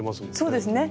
そうですね。